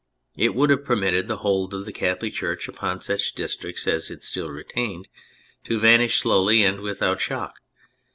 It would have permitted the hold of the Catholic Church upon such districts as it still retained to vanish slowly and without shock.